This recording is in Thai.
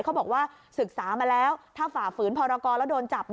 เขาบอกว่าศึกษามาแล้วถ้าฝ่าฝืนพรกรแล้วโดนจับ